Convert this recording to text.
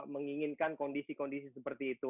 menginginkan kondisi kondisi seperti itu